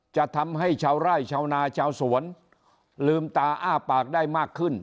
จะทำให้ชาวไร่ชาวนาชาวสวนลืมตาอ้าปากได้มากขึ้น